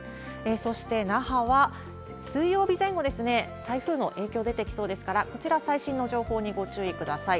そして那覇は、水曜日前後ですね、台風の影響出てきそうですから、こちら、最新の情報にご注意ください。